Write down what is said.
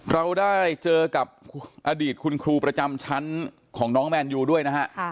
เราได้เจอกับอดีตคุณครูประจำชั้นของน้องแมนยูด้วยนะฮะ